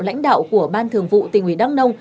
lãnh đạo của ban thường vụ tỉnh ủy đắk nông